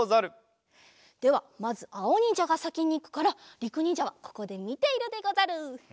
ではまずあおにんじゃがさきにいくからりくにんじゃはここでみているでござる！